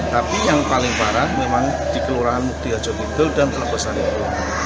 tapi yang paling parah memang di kelurahan mugdia jogetel dan kelabasan ibu